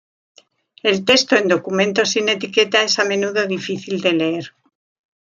El texto en documentos sin etiqueta es a menudo difícil de leer.